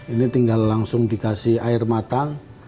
ini tinggal langsung dikasih air mata